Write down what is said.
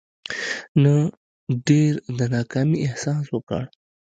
نه ډېر د ناکامي احساس وکړو.